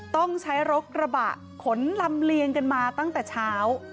ต้องใช้รกระบะขนลำเลียงกันมาตั้งแต่เช้า